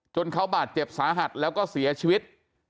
เขาบาดเจ็บสาหัสแล้วก็เสียชีวิต